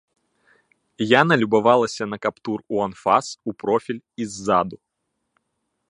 Яна любавалася на каптур у анфас, у профіль і ззаду.